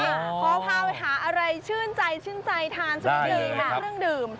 พอพาไปหาอะไรชื่นใจชื่นใจทานชื่นดื่ม